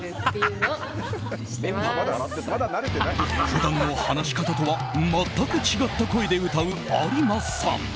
普段の話し方とは全く違った声で歌う有馬さん。